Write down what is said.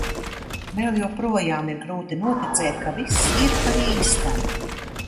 Vēl joprojām ir grūti noticēt, ka viss ir pa īstam.